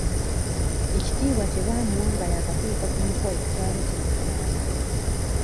Ekitiibwa kye baamuwa nga yaakatuuka ku mukolo kyali kimusaana.